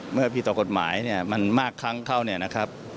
เมื่อผิดต่อกฎหมายมันมากครั้งเข้า